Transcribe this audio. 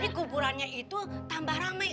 jadi kuburannya itu tambah ramai